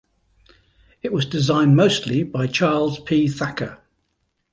It was designed mostly by Charles P. Thacker.